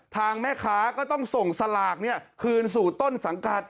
ทางแม่ค้าก็ต้องส่งสลากคืนสู่ต้นสังกัด